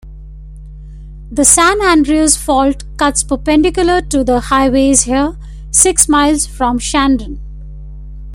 The San Andreas Fault cuts perpendicular to the highways here, six miles from Shandon.